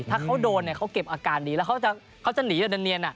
ถ้าเขาโดนเขาเก็บอาการดีแล้วเขาจะหนีแบบเนียน